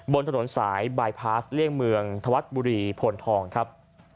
บนถนนสายบายพาสเลี่ยงเมืองธวัฒน์บุรีพลทองครับ